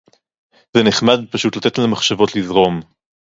זה נחמד פשוט לתת למחשבות לזרום.